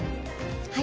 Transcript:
はい。